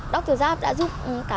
dr giáp đã giúp bọn con